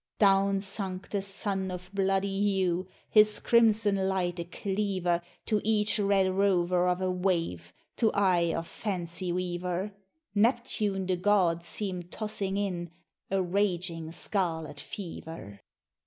Down sunk the sun of bloody hue, His crimson light a cleaver To each red rover of a wave: To eye of fancy weaver, Neptune, the god, seemed tossing in A raging scarlet fever!